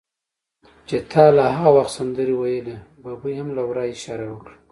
چې تا لا هغه وخت سندرې ویلې، ببۍ هم له ورایه اشاره وکړه.